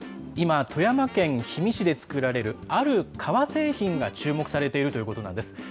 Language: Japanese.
今、富山県氷見市で作られるある革製品が注目されているということなんです。